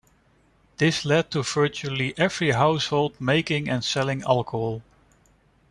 This led to virtually every household making and selling alcohol.